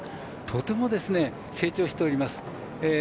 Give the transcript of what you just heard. とてもですね成長しております。